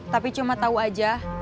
tapi cuma tahu aja